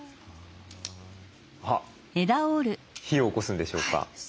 あっ火をおこすんでしょうか？